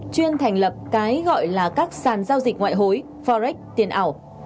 chuyên thành lập cái gọi là các sàn giao dịch ngoại hối forex tiền ảo